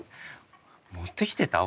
持ってきてた？